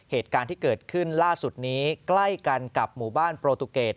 เหตุการณ์ที่เกิดขึ้นล่าสุดนี้ใกล้กันกับหมู่บ้านโปรตุเกต